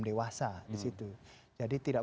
dewasa disitu jadi tidak